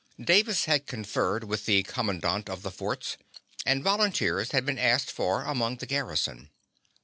Davis had conferred with the commandant of the forts, and volunteers had been asked for among the garrison.